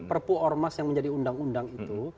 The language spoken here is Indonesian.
perpu ormas yang menjadi undang undang itu